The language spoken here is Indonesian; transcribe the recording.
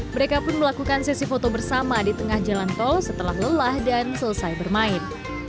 mereka pun melakukan sesi foto bersama di tengah jalan tol setelah lelah dan selesai bermain